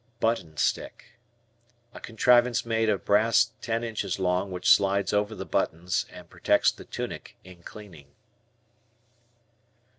Button Stick. A contrivance made of brass ten inches long which slides over the buttons and protects the tunic in cleaning.